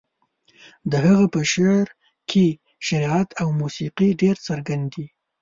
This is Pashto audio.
د هغه په شعر کې شعريت او موسيقي ډېر څرګند دي.